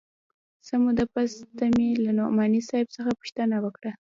څه موده پس ته مې له نعماني صاحب څخه پوښتنه وکړه.